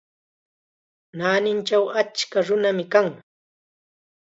Naanichaw achka nunam kan.